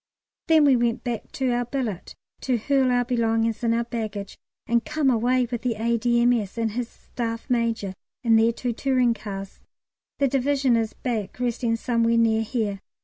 Then we went back to our billet to hurl our belongings into our baggage, and came away with the A.D.M.S. and his Staff Major in their two touring cars. The Division is back resting somewhere near here.